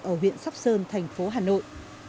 ở huyện sóc sơn tp hcm